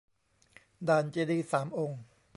ด่านเจดีย์สามองค์